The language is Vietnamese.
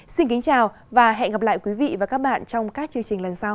xin kính chào và hẹn gặp lại quý vị và các bạn trong các chương trình lần sau